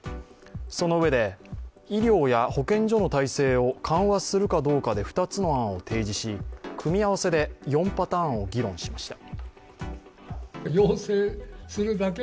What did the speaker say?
そのうえで、医療や保健所の体制を緩和するかどうかで２つの案を提示し、組み合わせで４パターンを議論しました。